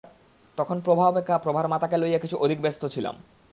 তখন প্রভা অপেক্ষা প্রভার মাতাকে লইয়া কিছু অধিক ব্যস্ত ছিলাম।